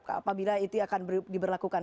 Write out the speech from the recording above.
apabila itu akan diberlakukan